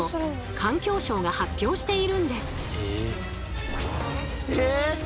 環境省が発表しているんです。